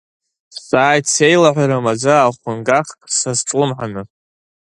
Сҵааит, сеилаҳәара маӡа ахәынгахк сазҿлымҳаны.